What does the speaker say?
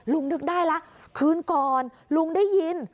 อ๋อลุงนึกได้แล้วคืนก่อนลุงได้ยิน